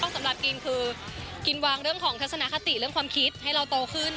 สำหรับกินคือกินวางเรื่องของทัศนคติเรื่องความคิดให้เราโตขึ้น